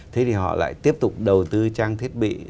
thế thì họ lại tiếp tục đầu tư trang thiết bị